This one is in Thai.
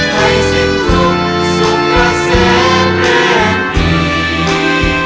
ให้สิ่งทุกข์สุขแสงเป็นนี้